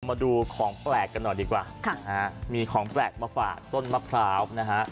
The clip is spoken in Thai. มาดูของแปลกกันหน่อยดีกว่าค่ะนะฮะมีของแปลกมาฝากต้นมะพร้าวนะฮะ